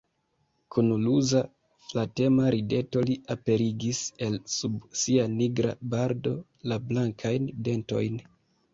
Kun ruza, flatema rideto li aperigis el sub sia nigra barbo la blankajn dentojn.